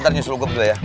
ntar nyusul gup dulu ya